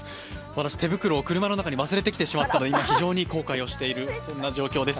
私、手袋を車の中に忘れてきてしまったのを非常に後悔している状況です。